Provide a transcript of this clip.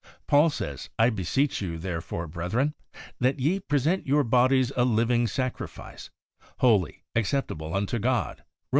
Paul says, ' I beseech you therefore, brethren, ... that ye present your bodies a living sacrifice, holy, accept able unto God ' (Rom.